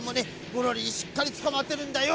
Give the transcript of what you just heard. ゴロリにしっかりつかまってるんだよ。